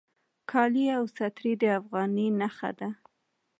کالي او صدرۍ د افغاني نښه ده